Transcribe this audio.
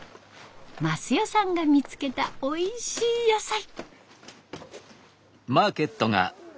益代さんが見つけたおいしい野菜。